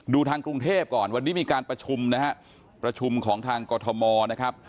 ทางกรุงเทพก่อนวันนี้มีการประชุมนะฮะประชุมของทางกรทมนะครับ